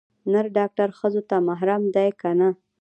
نر ډاکتر ښځو ته محرم ديه که نه.